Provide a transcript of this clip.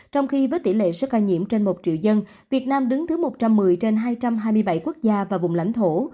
trong khi với tỷ lệ số ca nhiễm trên một triệu dân việt nam đứng thứ một trăm một mươi trên hai trăm hai mươi bảy quốc gia và vùng lãnh thổ